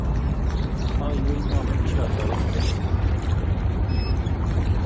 Aywei momuchi atoretin.